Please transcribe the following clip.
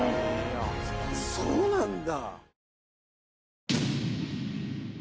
そうなんだ！